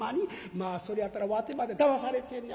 まあそれやったらわてまでだまされてんのや。